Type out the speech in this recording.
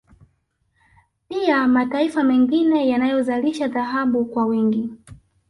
Pia mataifa mengine yanayozalisha dhahabu kwa wingi